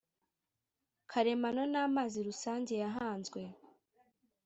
karemano n amazi rusange yahanzwe